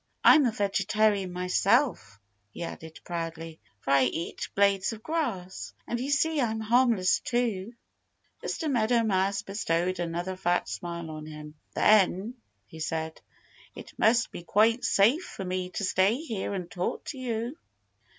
"I'm a vegetarian myself," he added proudly, "for I eat blades of grass. And you see I'm harmless too." Mr. Meadow Mouse bestowed another fat smile on him. "Then," he said, "it must be quite safe for me to stay here and talk with you."